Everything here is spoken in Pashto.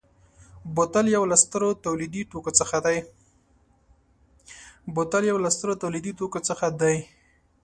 بوتل یو له سترو تولیدي توکو څخه دی.